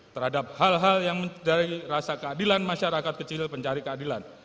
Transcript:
terhadap hal hal yang mencari rasa keadilan masyarakat kecil pencari keadilan